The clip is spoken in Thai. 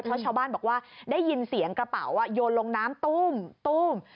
เพราะชาวบ้านบอกว่าได้ยินเสียงกระเป๋าโยนลงน้ำตู้ม